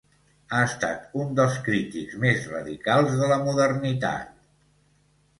Ha estat un dels crítics més radicals de la modernitat.